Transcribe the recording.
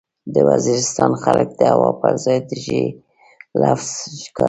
د وزيرستان خلک د هو پرځای د ژې لفظ کاروي.